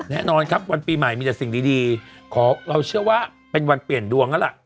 แน่นอนครับวันปีใหม่มีแต่สิ่งดีขอเราเชื่อว่าเป็นวันเปลี่ยนดวงแล้วล่ะ